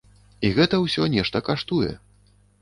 І гэта ўсё нешта каштуе.